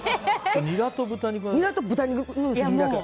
ニラと豚肉だけ。